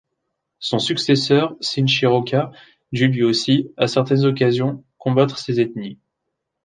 Son successeur, Sinchi Roca, dut lui aussi, à certaines occasions, combattre ces ethnies.